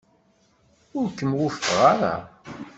Ur kem-wufqeɣ ara.